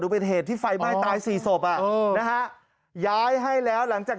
เป็นเหตุที่ไฟไหม้ตายสี่ศพอ่ะเออนะฮะย้ายให้แล้วหลังจาก